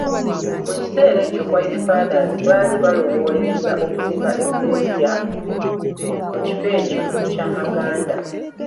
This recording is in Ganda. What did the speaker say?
Mu kiseera ekyo White Fathers baali balowoolereza okuzimba eklezia mu kifo ekyo Kyamaganda.